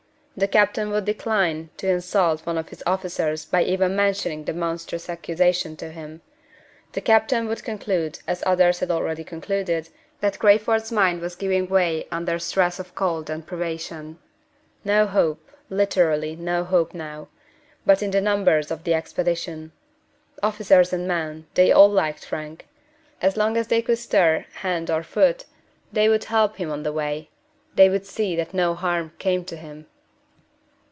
The captain would decline to insult one of his officers by even mentioning the monstrous accusation to him. The captain would conclude, as others had already concluded, that Crayford's mind was giving way under stress of cold and privation. No hope literally, no hope now, but in the numbers of the expedition. Officers and men, they all liked Frank. As long as they could stir hand or foot, they would help him on the way they would see that no harm came to him.